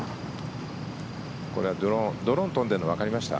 これは、ドローンが飛んでいるのわかりました？